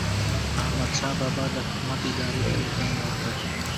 احمدشاه بابا د حکومت ادارې ته نظم ورکړ.